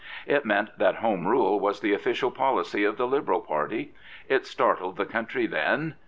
It meant that Home Rule was the official policy of the Liberal Party. It startled the country then.